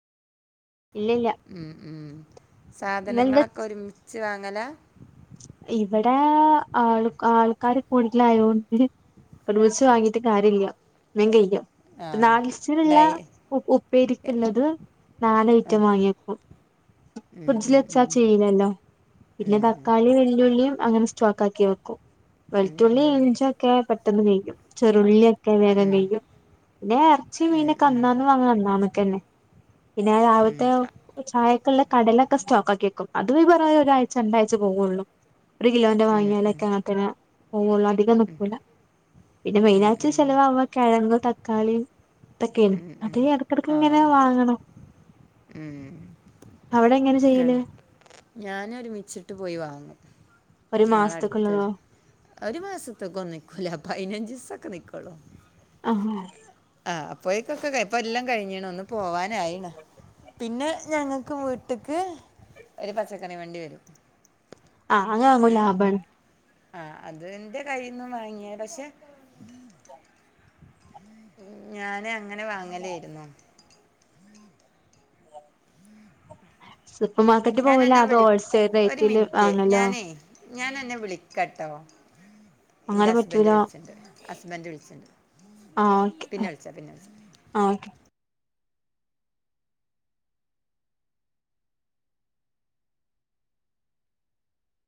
ഇല്ല ഇല്ല ഉം ഉം ഇന്നെന്താ സാധനങ്ങളൊക്കെ ഒരുമിച്ച് വാ ങ്ങല ഇവിടെ ആ ആൾക്കാര് കൂടുതലായോണ്ട് ഒരുമിച്ച് വാങ്ങീട്ട് കാര്യല്ല വേം കയ്യും ആ നാല് ദിവസത്തിനുള്ള ഡൈ എ- ഉപ്പേരിക്കുള്ളത് നാല് ഐറ്റം വാങ്ങി വെക്കും ഫ്രിഡ്ജിൽ വെച്ച ചീയ്യുലല്ലോ പിന്നെ തക്കാളി വ ഉള്ളിയും അങ്ങനെ സ്റ്റോക്ക് ആക്കി വെക്കും വെളുത്തുള്ളി ഇഞ്ചിയൊക്കെ പെട്ടെന്ന് കഴിയും ചെറിയുള്ളിയൊക്കെ വേഗം കഴിയും പിന്നെ ഇറച്ചി മീനൊക്കെ അന്നാന്ന് വാങ്ങ അന്നാന്ന്ക്കന്നെ പിന്നെ രാവിലത്തെ ചായക്കുള്ള കടലൊക്കെ സ്റ്റോക്ക് ആക്കി വെക്കും അത് ഈ പറഞ്ഞ മാതിരി ഒരാഴ്ച രണ്ടാഴ്ച പോകോള്ളു ഒരു കിലോന്റത് വാങ്ങിയാൽ ഒക്കെ അങ്ങനെതന്നെ പോകോള്ളു അതികം നിക്കൂല പിന്നെ മെയിൻ ഉം, ആയിട്ട് ഉം. ചെലവാക കിഴങ്ങ് ത ക്കാളി ഇതൊക്കെണ് അത് പിന്നെ ഇടക്കിടക്ക് ആ ഇങ്ങനെ വാങ്ങണം ഉം. അവിടെയെങ്ങനെ ആ ഞാൻ ഒരുമിച്ചിട്ട് പോയി വാങ്ങും ഒരു ഞങ്ങളെ അടുത്ത് മാസത്തേക്കുള്ളതോ ഒരു മാസത്തിക്കൊന്നും നിക്കൂല പതിനഞ്ച് ദിവസം ഒക്കെ നിക്കോള്ളു ആ അപ്പോയെക്കു ഒക്കെ കഴിയും ഇപ്പൊ എല്ലം കഴിഞ്‌ണ് ഒന്ന് പോവാനായിണ് പിന്നെ ഞങ്ങക്ക് ഇവടെ വീട്ടിൽക് ഒരു പച്ചക്കറി വണ്ടി വരും ആ അങ്ങനെ ആകുമ്പോ ഉം. ലാഭം ആണ് ആ അതിന്റെ കയ്യിന്നു വാങ്ങിയ പക്ഷെ ഞാൻ അങ്ങനെ വാങ്ങാലായിരുന്നു സൂപ്പർമാർകെറ്റിൽ ഞാൻ പോകാലോ എന്നെ അതോ വിളി ഹോൾസൈൽ ഒരു റേറ്റിൽ മിനിറ്റ് വാങ്ങാലോ ഞാനേ ഞാൻ അന്നേ വിളിക്കാട്ടോ അങ്ങനെ ഇന്റെ ഹസ്ബൻഡ് വിളിച്ചിണ്ട് ഹസ്ബൻഡ് വിളിച്ച്ണ്ട് ആ ഒകെ ആ ആ ഒകെ